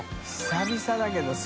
久々だけど。